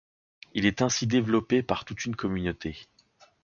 Il est ainsi développé par toute une communauté.